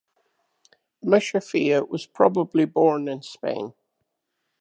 Musaphia was probably born in Spain.